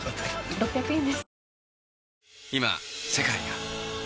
６００円です。